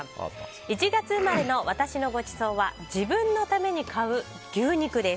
１月生まれの私のごちそうは自分のために買う牛肉です。